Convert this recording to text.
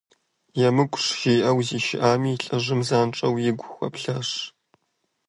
– ЕмыкӀущ, – жиӀэу зишыӀами, лӀыжьым занщӀэу игу хуэплъащ.